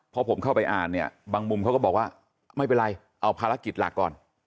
พอผมเข้าไปอ่านเนี่ยบางมุมเขาก็บอกว่าไม่เป็นไรเอาภารกิจหลักก่อน